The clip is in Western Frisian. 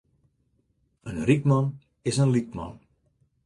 In ryk man is in lyk man.